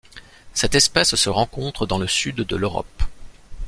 Cette espèce se rencontre dans le Sud de l'Europe.